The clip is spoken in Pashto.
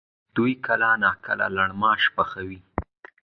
دوی کله ناکله لړماش پخوي؟